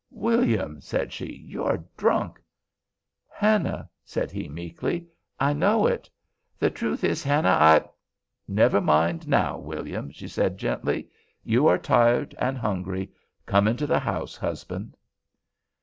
"William," said she, "you're drunk." "Hannah," said he, meekly, "I know it. The truth is, Hannah, I—" "Never mind, now, William," she said, gently. "You are tired and hungry. Come into the house, husband."